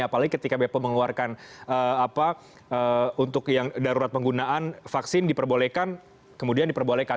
apalagi ketika bepom mengeluarkan untuk yang darurat penggunaan vaksin diperbolehkan kemudian diperbolehkan